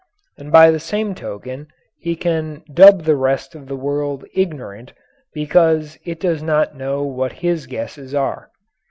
And by the same token he can dub the rest of the world "ignorant" because it does not know what his guesses are.